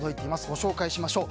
ご紹介しましょう。